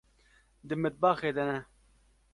Di mitbaxê de ne.